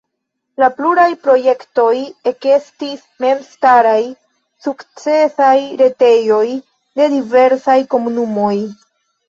El pluraj projektoj ekestis memstaraj sukcesaj retejoj de diversaj komunumoj.